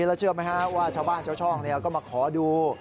แล้วเชื่อไหมฮะว่าชาวบ้านชาวช่องก็มาขอดู